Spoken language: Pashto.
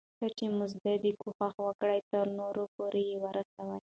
څه چي مو زده دي، کوښښ وکړه ترنور پورئې ورسوې.